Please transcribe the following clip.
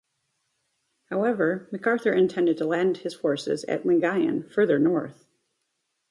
However, MacArthur intended to land his forces at Lingayen, further north.